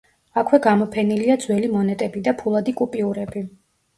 აქვე გამოფენილია ძველი მონეტები და ფულადი კუპიურები.